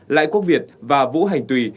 lãi quốc việt và vũ hành tùy